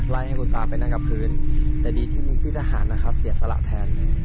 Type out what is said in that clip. ให้คุณตาไปนั่งกับพื้นแต่ดีที่มีพี่ทหารนะครับเสียสละแทน